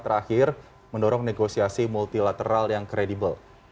terakhir mendorong negosiasi multilateral yang kredibel